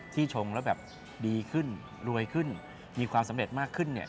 ชงแล้วแบบดีขึ้นรวยขึ้นมีความสำเร็จมากขึ้นเนี่ย